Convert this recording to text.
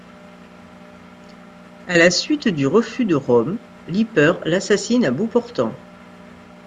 À la suite du refus de Röhm, Lippert l'assassine à bout portant.